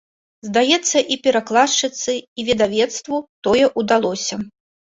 Здаецца, і перакладчыцы, і выдавецтву тое ўдалося.